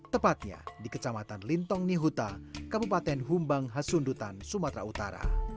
tepatnya di kecamatan lintong nihuta kabupaten humbang hasundutan sumatera utara